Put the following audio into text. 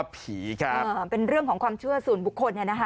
เป็นเรื่องของความเชื่อสูญบุคคลนี้นะฮะ